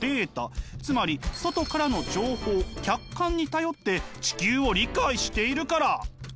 つまり外からの情報客観に頼って地球を理解しているから！